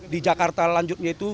di jakarta lanjutnya itu